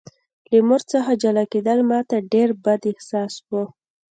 له مور څخه جلا کېدل ماته ډېر بد احساس و